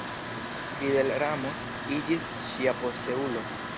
Fidel Ramos iĝis ŝia posteulo.